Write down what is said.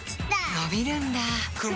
のびるんだ